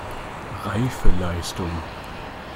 Reife Leistung!